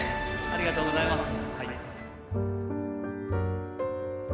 ありがとうございます。